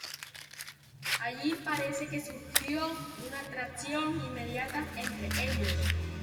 Allí parece que surgió una atracción inmediata entre ellos.